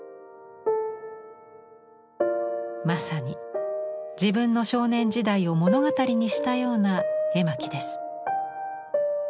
まさに自分の少年時代を物語にしたような絵巻です。